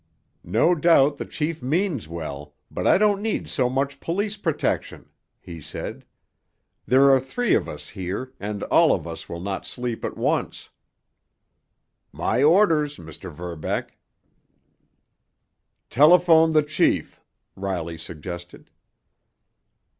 "No doubt the chief means well, but I don't need so much police protection," he said. "There are three of us here, and all of us will not sleep at once." "My orders, Mr. Verbeck." "Telephone the chief," Riley suggested.